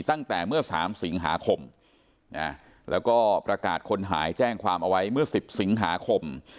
ตั้งแต่เมื่อ๓สิงหาคมแล้วก็ประกาศคนหายแจ้งความเอาไว้เมื่อ๑๐สิงหาคม